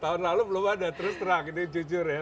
tahun lalu belum ada terus terang ini jujur ya